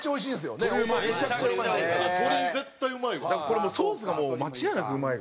これソースがもう間違いなくうまいから。